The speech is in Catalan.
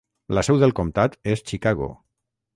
La seu del comtat és Chicago.